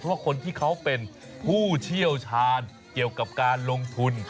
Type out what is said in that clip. เพราะคนที่เขาเป็นผู้เชี่ยวชาญเกี่ยวกับการลงทุน